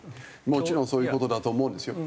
もちろんそういう事だと思うんですよ。